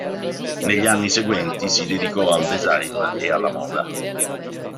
Negli anni seguenti si dedicò al design ed alla moda.